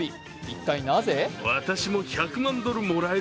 一体なぜ？